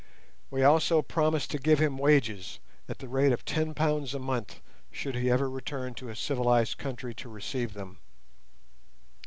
We also promised to give him wages at the rate of ten pounds a month should he ever return to a civilized country to receive them.